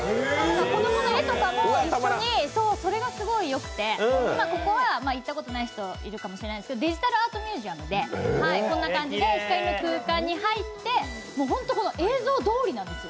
子供の絵とかも一緒に、それがすごいよくてここはいったことない人いるかもしれないですけどデジタルアートミュージアムでこんな感じで光の空間に入って、ほんとこの映像どおりなんですよ。